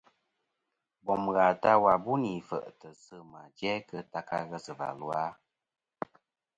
Bòm ghà ta wà bû nì fèʼtɨ̀ sɨ̂ mà jæ ta ka ghesɨ̀và lu a?